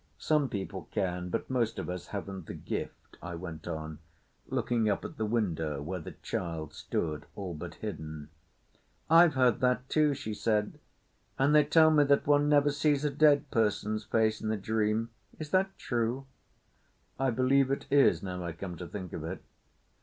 Some people can, but most of us haven't the gift," I went on, looking up at the window where the child stood all but hidden. "I've heard that too," she said. "And they tell me that one never sees a dead person's face in a dream. Is that true?" "I believe it is—now I come to think of it."